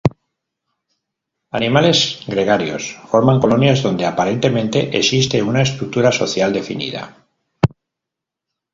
Animales gregarios, forman colonias donde aparentemente existe una estructura social definida.